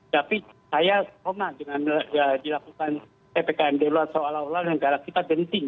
tapi saya koma dengan dilakukan ppkm darurat seolah olah negara kita genting